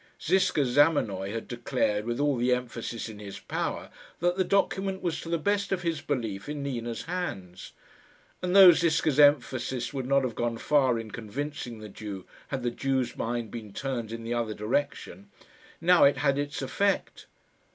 Ziska Zamenoy had declared, with all the emphasis in his power, that the document was, to the best of his belief, in Nina's hands; and though Ziska's emphasis would not have gone far in convincing the Jew, had the Jew's mind been turned in the other direction, now it had its effect.